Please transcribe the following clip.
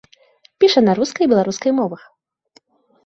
Піша на рускай і беларускай мовах.